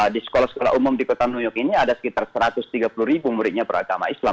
di sekolah sekolah umum di kota new york ini ada sekitar satu ratus tiga puluh ribu muridnya beragama islam